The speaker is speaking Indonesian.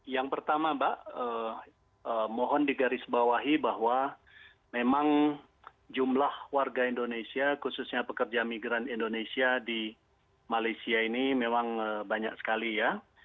yang pertama mbak mohon digarisbawahi bahwa memang jumlah warga indonesia khususnya pekerja migran indonesia di malaysia ini memang banyak sekali ya